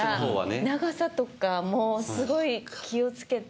長さとかもすごい気を付けて。